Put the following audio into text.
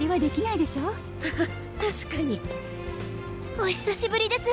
お久しぶりです